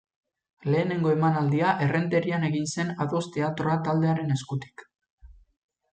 Lehenengo emanaldia Errenterian egin zen Ados Teatroa taldearen eskutik.